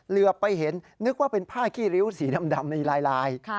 เหลือไปเห็นนึกว่าเป็นผ้าขี้ริ้วสีดำในลาย